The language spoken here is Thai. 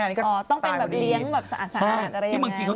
อ๋อต้องเป็นแบบเลี้ยงแบบสะอาดอะไรอย่างนี้